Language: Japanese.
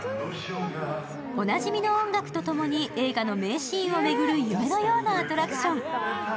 おなじみの音楽と共に映画の名シーンを巡る夢のようなアトラクション。